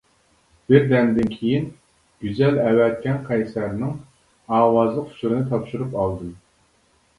بىردەمدىن كېيىن گۈزەل ئەۋەتكەن قەيسەرنىڭ ئاۋازلىق ئۇچۇرىنى تاپشۇرۇپ ئالدىم.